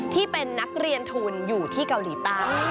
ที่เป็นนักเรียนทุนอยู่ที่เกาหลีใต้